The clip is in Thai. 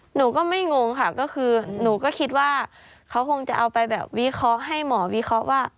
หนูก็ไม่งงค่ะก็คือหนูก็คิดว่าเขาคงจะเอาไปแบบวิเคราะห์ให้หมอวิเคราะห์ว่า